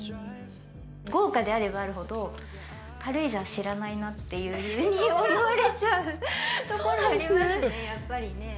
豪華であればあるほど軽井沢知らないなっていうふうに思われちゃうところがありますね